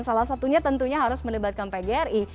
salah satunya tentunya harus melibatkan pgri